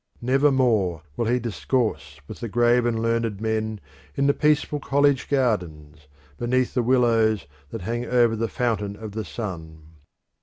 Never more will he discourse with grave and learned men in the peaceful college gardens, beneath the willows that hang over the Fountain of the Sun.